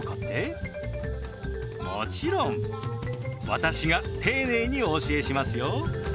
もちろん私が丁寧にお教えしますよ。